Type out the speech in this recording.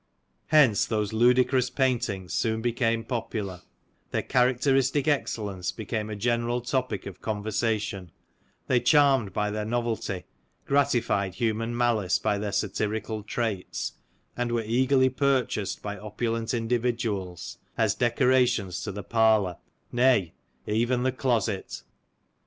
Hence those ludicrous paintings soon became popular ; their characteristic excellence became a general topic of conversation; they charmed by their novelty, gratified human malice by their satirical traits, and were eagerly pur chased by opulent individuals as decorations to the parlour, nay, even the closet